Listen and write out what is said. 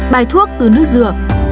bài thuốc từ nước dừa